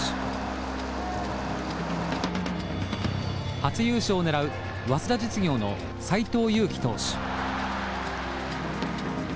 初優勝を狙う早稲田実業の斎藤佑樹投手。